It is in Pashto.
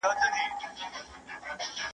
¬ د بدو به بد مومې.